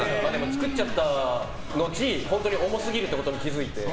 作っちゃったのち、本当に重すぎるってことに気づいて。